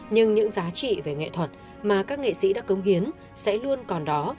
nhưng những giá trị về nghệ thuật mà các nghệ sĩ đã công hiến sẽ luôn còn đó